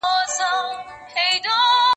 زه به سبا د سبا لپاره د درسونو يادوم!!